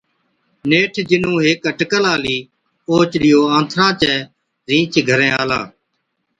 نيٺ جِنُون هيڪ اٽڪل آلِي، اوهچ ڏِيئو آنٿڻان چَي رِينڇ گھرين آلا،